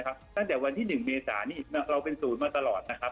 ตั้งแต่วันที่๑เมตรเราเป็นโสคมาตลอดนะครับ